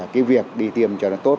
cái việc đi tìm cho nó tốt